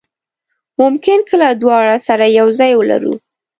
ممکن کله دواړه سره یو ځای ولرو.